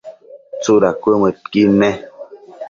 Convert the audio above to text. ¿tsudad cuëdmëdquid ne?